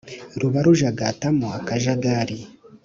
ruba rujagatamo akajagari